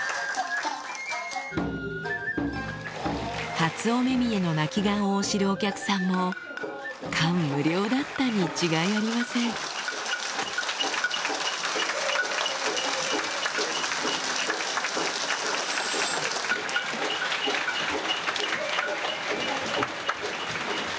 初お目見得の泣き顔を知るお客さんも感無量だったに違いありませんおぉ。